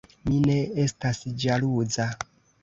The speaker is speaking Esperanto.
Mi ne estas ĵaluza“.